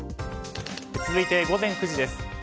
続いて午前９時です。